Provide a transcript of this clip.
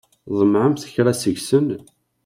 Tḍemɛemt kra seg-sen?